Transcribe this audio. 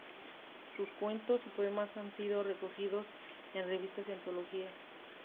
Sus cuentos y poemas han sido recogidos en revistas y antologías.